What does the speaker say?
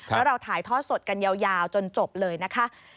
แล้วเราถ่ายทอดสดกันยาวจนจบเลยนะคะ